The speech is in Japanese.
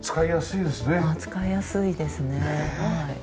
使いやすいですねはい。